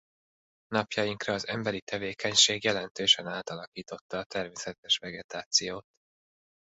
Napjainkra az emberi tevékenység jelentősen átalakította a természetes vegetációt.